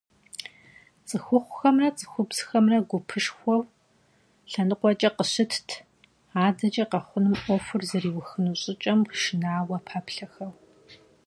ЦӀыхухъухэмрэ цӀыхубзхэмрэ гупышхуэу лъэныкъуэкӀэ къыщытт, адэкӀэ къэхъунум, Ӏуэхур зэриухыну щӀыкӀэм шынауэ пэплъэхэу.